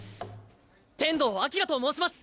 天道輝と申します！